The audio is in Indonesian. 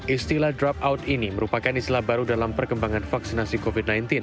istilah drop out ini merupakan istilah baru dalam perkembangan vaksinasi covid sembilan belas